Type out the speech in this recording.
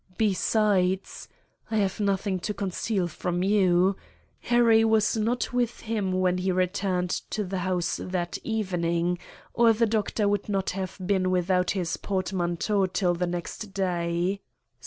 Besides—(I have nothing to conceal from you)—Harry was not with him when he returned to the house that evening, or the Doctor would not have been without his portmanteau till the next day.